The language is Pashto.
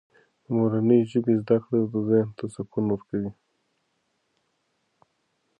د مورنۍ ژبې زده کړه ذهن ته سکون ورکوي.